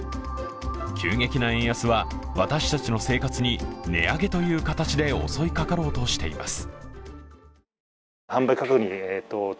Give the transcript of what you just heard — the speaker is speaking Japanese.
急激な円安は私たちの生活に値上げという形で襲いかかろうとしています。